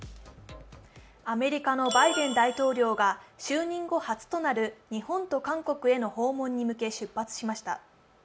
アメリカのバイデン大統領が就任後初となる日本と韓国への訪問に向け出発しました。